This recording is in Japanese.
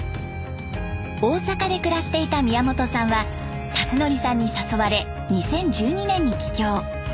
大阪で暮らしていた宮本さんは辰徳さんに誘われ２０１２年に帰郷。